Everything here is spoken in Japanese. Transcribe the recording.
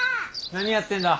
何やってんだ？